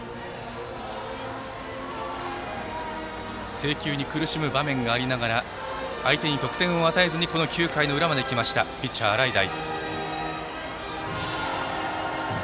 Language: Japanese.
制球に苦しむ場面がありながら相手に得点を与えずに９回の裏まで来ましたピッチャーの洗平。